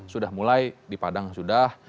sudah mulai di padang sudah